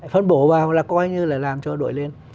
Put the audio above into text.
phân bổ vào là coi như là làm cho đội lên